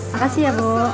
makasih ya bu